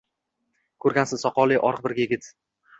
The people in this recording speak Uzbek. Ko’rgansiz: soqolli, oriq bir yigit.